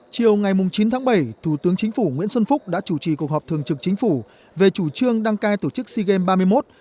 chiều ngày chín tháng bảy thủ tướng chính phủ nguyễn xuân phúc đã chủ trì cuộc họp thường trực chính phủ về chủ trương đăng cai tổ chức sea games ba mươi một